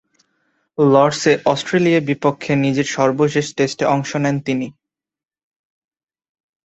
লর্ডসে অস্ট্রেলিয়ার বিপক্ষে নিজের সর্বশেষ টেস্টে অংশ নেন তিনি।